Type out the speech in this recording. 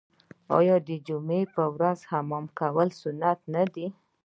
آیا د جمعې په ورځ حمام کول سنت نه دي؟